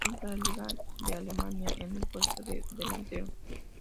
Bundesliga de Alemania, en el puesto de delantero.